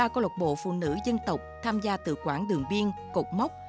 ba câu lộc bộ phụ nữ dân tộc tham gia tự quản đường biên cột mốc